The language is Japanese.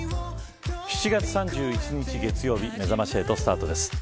７月３１日月曜日めざまし８スタートです。